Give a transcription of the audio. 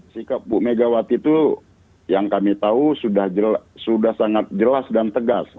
sikap bu megawati itu yang kami tahu sudah sangat jelas dan tegas